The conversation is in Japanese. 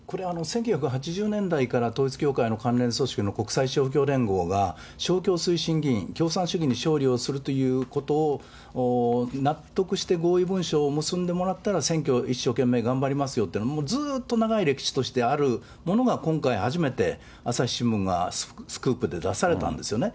これ、１９８０年代から統一教会の関連組織の国際勝共連合が勝共推進議員、共産主義に勝利をするということを、納得して合意文書を結んでもらったら、選挙を一生懸命頑張りますよというのを、ずっと長い歴史としてあるものが今回、初めて朝日新聞がスクープで出されたんですよね。